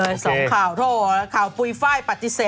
เนอะแล้วแต่